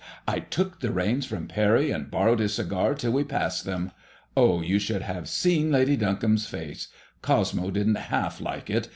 I took the reins from Parry, and borrowed his cigar till we passed them. Oh, you should have seen Lady Duncombe's face. Cosmo didn't half like it.